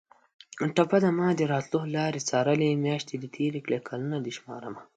ټپه ده: مادې راتلو لارې څارلې میاشتې دې تېرې کړې کلونه دې شمارمه